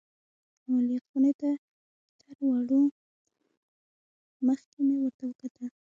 عمليات خونې ته تر وړلو مخکې مې ورته وکتل.